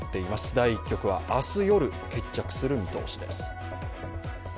第１局は明日夜、決着する見通しです。